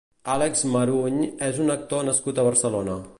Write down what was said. Àlex Maruny és un actor nascut a Barcelona.